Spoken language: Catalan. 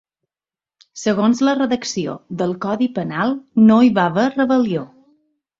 Segons la redacció del codi penal no hi va haver rebel·lió.